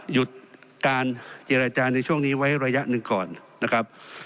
หยุดการเจรจาในช่วงนี้ไว้ระยะหนึ่งก่อนนะครับ